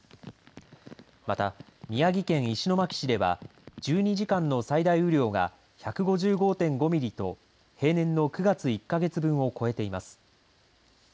また、宮城県石巻市では１２時間の最大雨量が１５５．５ミリと平年の９月１か月分を超えています。